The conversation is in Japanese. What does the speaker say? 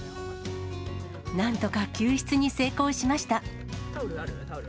なんとか救出に成功しました。